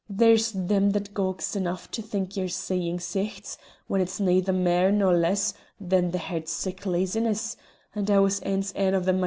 There's them that's gowks enough to think ye're seein' Sichts, when it's neither mair nor less than he'rt sick laziness, and I was ance ane o' them mysel'.